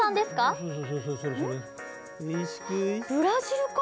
あっブラジルか。